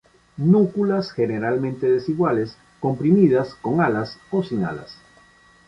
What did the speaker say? Núculas generalmente desiguales, comprimidas, con alas o sin alas.